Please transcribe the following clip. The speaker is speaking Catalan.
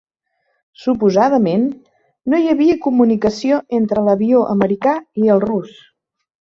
Suposadament, no hi havia comunicació entre l'avió americà i el rus.